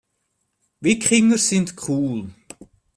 Wikinger sind cool.